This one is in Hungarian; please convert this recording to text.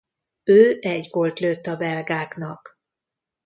Ő egy gólt lőtt a belgáknak.